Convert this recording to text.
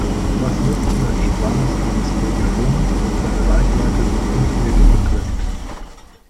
Was nützt mir ein strahlungsarmes Babyfon, wenn seine Reichweite nur fünf Meter beträgt?